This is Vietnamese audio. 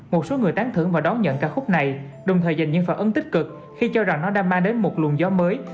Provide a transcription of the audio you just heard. một số người tán thưởng và đón nhận ca khúc này đồng thời dành những phản ứng tích cực khi cho rằng nó đã mang đến một luồng gió mới